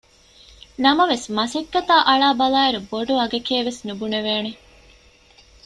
ނަމަވެސް މަސައްކަތާ އަޅާބަލާއިރު ބޮޑު އަގެކޭ ވެސް ނުބުނެވޭނެ